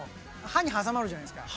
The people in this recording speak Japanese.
歯に挟まるじゃないですか。